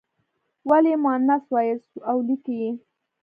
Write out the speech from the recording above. ولې یې مونث وایاست او لیکئ یې.